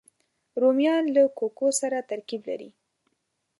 رومیان له کوکو سره ترکیب لري